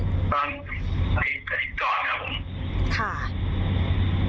อันนี้ก่อนครับผม